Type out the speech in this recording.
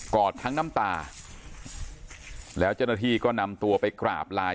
อดทั้งน้ำตาแล้วเจ้าหน้าที่ก็นำตัวไปกราบลาย